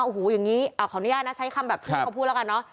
โอ้โหอย่างนี้ขออนุญาตนะใช้คำแบบที่เขาพูดแล้วกันเนอะ